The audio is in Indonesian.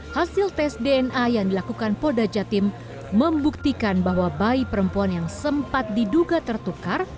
hasil tes dna yang dilakukan poda jatim membuktikan bahwa bayi perempuan yang sempat diduga tertukar